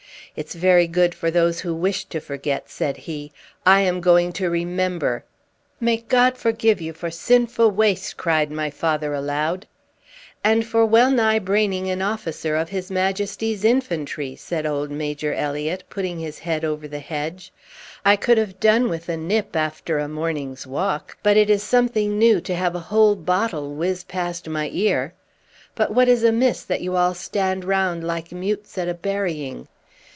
"It's very good for those who wish to forget," said he; "I am going to remember!" "May God forgive you for sinfu' waste!" cried my father aloud. "And for well nigh braining an officer of his Majesty's infantry!" said old Major Elliott, putting his head over the hedge. "I could have done with a nip after a morning's walk, but it is something new to have a whole bottle whizz past my ear. But what is amiss, that you all stand round like mutes at a burying?"